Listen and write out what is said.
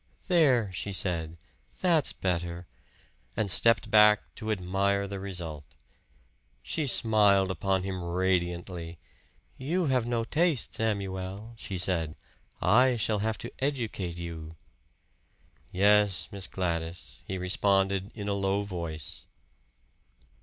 "There," she said, "that's better" and stepped back to admire the result. She smiled upon him radiantly. "You have no taste, Samuel," she said. "I shall have to educate you." "Yes, Miss Gladys," he responded in a low voice.